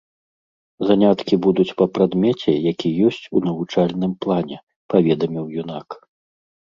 Заняткі будуць па прадмеце, які ёсць у навучальным плане, паведаміў юнак.